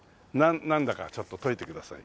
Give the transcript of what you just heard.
なんだかちょっと解いて下さい。